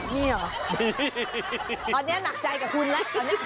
นี่หรอตอนนี้หนักใจกับคุณล่ะ